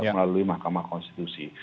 melalui mahkamah konstitusi